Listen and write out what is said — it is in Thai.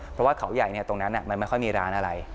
เพราะว่าเขาใหญ่ตรงนั้นมันไม่ค่อยมีร้านอะไร